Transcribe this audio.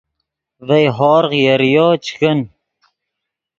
ڤئے ہورغ یریو چے کن